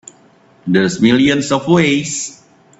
There's millions of ways.